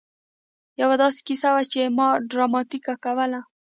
يوه داسې کيسه وه چې ما ډراماتيکه کوله.